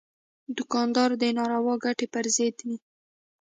دوکاندار د ناروا ګټې پر ضد وي.